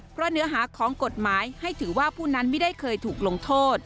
เพราะเนื้อหาของกฎหมายให้ถือว่าผู้นั้นไม่ได้เคยถูกลงโทษ